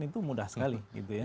itu mudah sekali